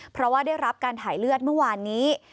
เพราะว่าได้รับการถ่ายเลือดเมื่อวานนี้